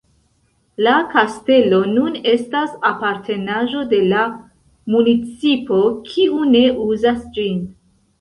La kastelo nun estas apartenaĵo de la municipo, kiu ne uzas ĝin.